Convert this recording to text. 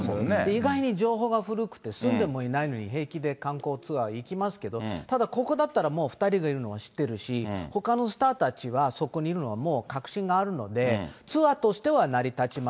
意外に情報が古くて、住んでもいないのに平気で観光ツアー行きますけど、ただ、ここだったらもう２人でいるのは知ってるし、ほかのスターたちは、そこにいるのは、もう確信があるので、ツアーとしては成り立ちま